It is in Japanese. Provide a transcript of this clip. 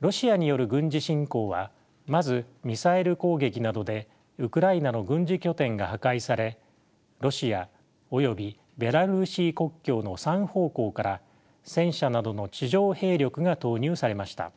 ロシアによる軍事侵攻はまずミサイル攻撃などでウクライナの軍事拠点が破壊されロシアおよびベラルーシ国境の３方向から戦車などの地上兵力が投入されました。